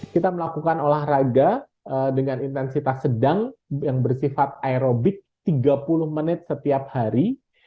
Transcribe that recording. kita melakukan olahraga dengan intensitas sedang yang bersifat aerobik tiga puluh menit setiap hari